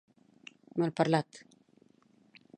Mal parlat